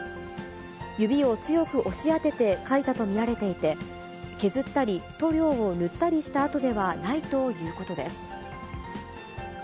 指を強く押し当てて描いたと見られていて、削ったり、塗料を塗ったりした跡ではないということです。